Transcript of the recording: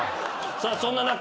さあそんな中。